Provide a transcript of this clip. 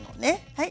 はい。